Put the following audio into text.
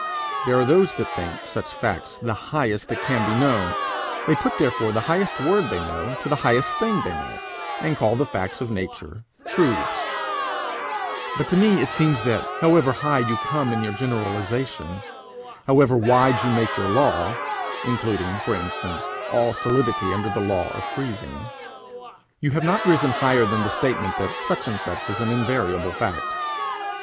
There are those that think such facts the highest that can be known; they put therefore the highest word they know to the highest thing they know, and call the facts of nature truths; but to me it seems that, however high you come in your generalization, however wide you make your law including, for instance, all solidity under the law of freezing you have not risen higher than the statement that such and such is an invariable fact.